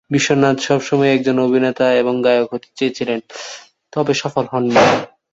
বিশ্বনাথন সবসময়ই একজন অভিনেতা এবং গায়ক হতে চেয়েছিলেন, তবে সফল হননি।